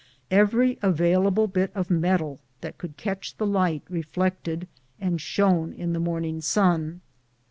Every available bit of metal that could catch the light reflected and shone in the morning sun.